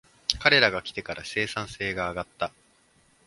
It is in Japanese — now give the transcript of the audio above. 彼らが来てから生産性が上がった